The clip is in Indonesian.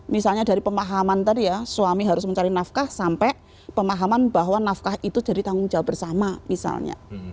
misalnya dari pemahaman tadi ya suami harus mencari nafkah sampai pemahaman bahwa nafkah itu jadi tanggung jawab bersama misalnya